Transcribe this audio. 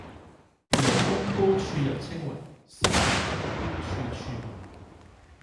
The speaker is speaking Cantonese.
驪宮高處入青云，仙樂風飄處處聞。